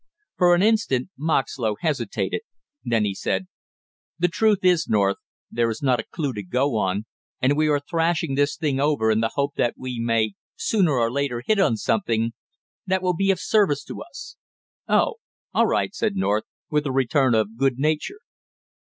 For an instant Moxlow hesitated, then he said: "The truth is, North, there is not a clue to go on, and we are thrashing this thing over in the hope that we may sooner or later hit on something that will be of service to us." "Oh, all right," said North, with a return of good nature.